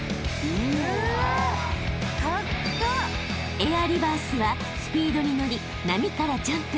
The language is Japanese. ［エアリバースはスピードに乗り波からジャンプ］